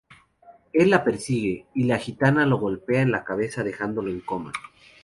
Él la persigue, y la gitana lo golpea en la cabeza, dejándolo en coma.